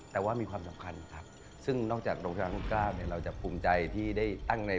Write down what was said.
แต่ว่ามีความสำคัญครับซึ่งนอกจากโรงแทรมาตรงข้าว